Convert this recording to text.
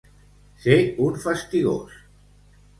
Ser un fastigós.